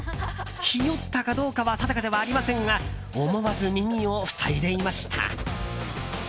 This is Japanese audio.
ひよったかどうかは定かではありませんが思わず耳を塞いでいました。